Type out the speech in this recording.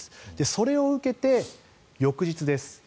それを受けて翌日です。